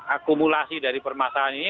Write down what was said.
akumulasi dari permasalahan ini